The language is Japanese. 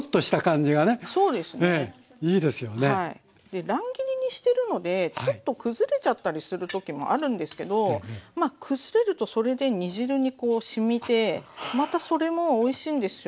で乱切りにしてるのでちょっと崩れちゃったりする時もあるんですけどまあ崩れるとそれで煮汁にしみてまたそれもおいしいんですよ。